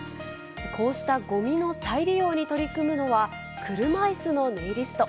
こうしたごみの再利用に取り組むのは、車いすのネイリスト。